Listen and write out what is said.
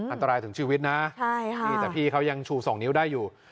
อันตรายถึงชีวิตนะนี่แต่พี่เขายังชู๒นิ้วได้อยู่